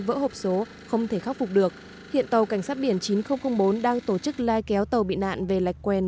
vỡ hộp số không thể khắc phục được hiện tàu csb chín nghìn bốn đang tổ chức lai kéo tàu bị nạn về lạch quen